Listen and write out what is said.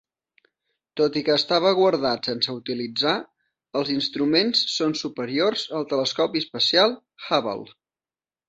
Tot i que estava guardat sense utilitzar, els instruments són superiors al telescopi espacial Hubble.